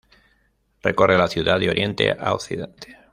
Recorre la ciudad de Oriente a Occidente.